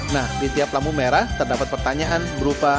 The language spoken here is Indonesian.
nah di tiap lampu merah terdapat pertanyaan berupa